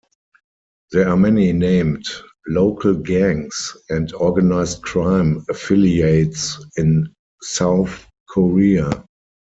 There are many named local gangs and organized crime affiliates in South Korea.